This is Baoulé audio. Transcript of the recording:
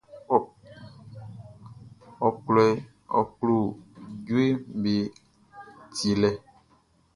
Ɔ klo jueʼm be tielɛ.